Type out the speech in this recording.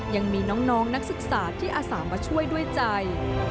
ยังมีน้องนักศึกษาที่อาสามาช่วยด้วยใจ